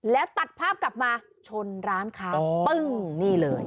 แล้วตัดภาพกลับมาชนร้านค้าปึ้งนี่เลย